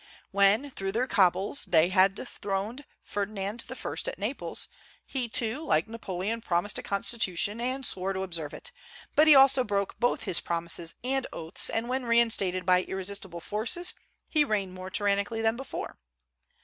When, through their cabals, they had dethroned Ferdinand I. at Naples, he too, like Napoleon, promised a constitution, and swore to observe it; but he also broke both his promises and oaths, and when reinstated by irresistible forces, he reigned more tyrannically than before.